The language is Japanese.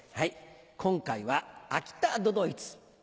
今回は秋田都々逸。